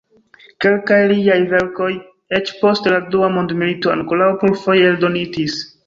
Kelkaj liaj verkoj eĉ post la Dua mondmilito ankoraŭ plurfoje eldonitis.